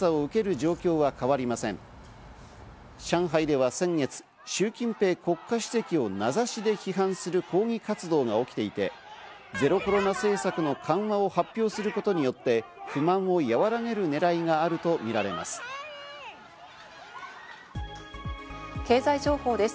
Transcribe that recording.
上海では先月シュウ・キンペイ国家主席を名指しで批判する抗議活動が起きていて、ゼロコロナ政策の緩和を発表することによって不満を和らげる狙いがあるとみられます。